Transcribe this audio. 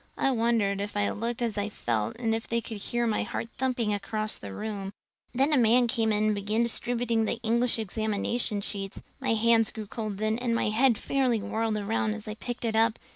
I wondered if I looked as I felt and if they could hear my heart thumping clear across the room. Then a man came in and began distributing the English examination sheets. My hands grew cold then and my head fairly whirled around as I picked it up.